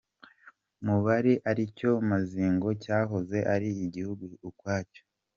Mubari aricyo Mazinga cyahoze ari igihugu ukwacyo.